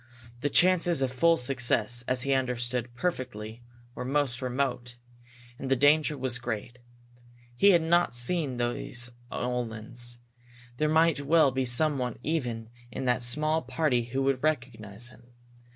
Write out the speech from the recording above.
The chances of full success, as he understood perfectly, were most remote. And the danger was great. He had not seen these Uhlans; there might well be someone even in that small party who would recognize him.